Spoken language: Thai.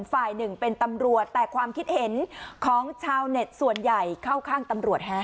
ฝ่ายหนึ่งเป็นตำรวจแต่ความคิดเห็นของชาวเน็ตส่วนใหญ่เข้าข้างตำรวจฮะ